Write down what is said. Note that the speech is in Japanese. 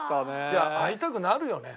いや会いたくなるよね。